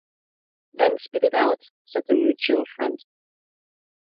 “Then spit it out,” said the mutual friend.